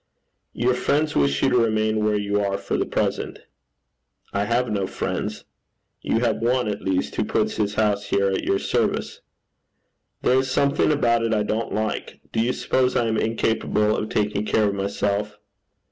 'Your friends wish you to remain where you are for the present.' 'I have no friends.' 'You have one, at least, who puts his house here at your service.' 'There's something about it I don't like. Do you suppose I am incapable of taking care of myself?'